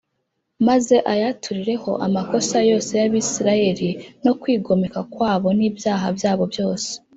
Maze ayaturireho c amakosa yose y abisirayeli no kwigomeka kwabo n ibyaha byabo byose